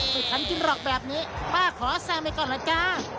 ไปทันจิ้นรอบแบบนี้ป้าขอแสงไว้ก่อนล่ะจ้า